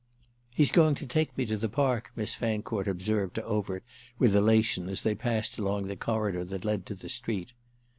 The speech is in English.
"He's going to take me to the Park," Miss Fancourt observed to Overt with elation as they passed along the corridor that led to the street.